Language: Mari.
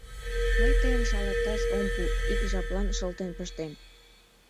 Мый Тыйым шалаташ ом пу, ик жаплан шылтен пыштем...